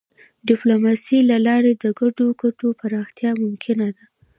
د ډيپلوماسی له لارې د ګډو ګټو پراختیا ممکنه ده.